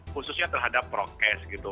khususnya terhadap prokes gitu